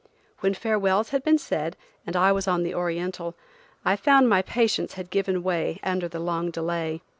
When farewells had been said, and I was on the Oriental, I found my patience had given way under the long delay.